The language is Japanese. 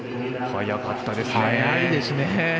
速かったですね。